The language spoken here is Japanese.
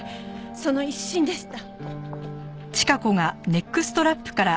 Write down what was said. その一心でした。